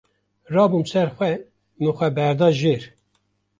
rabûm ser xwe, min xwe berda jêr